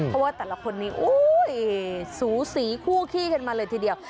เพราะว่าแต่ละคนนี้สูสีคู่ขี้กันมาเลยทีเดียว